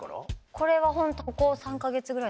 これはここ３か月ぐらい。